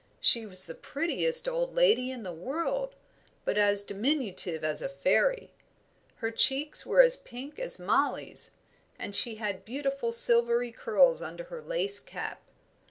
She was the prettiest old lady in the world, but as diminutive as a fairy; her cheeks were as pink as Mollie's; and she had beautiful silvery curls under her lace cap.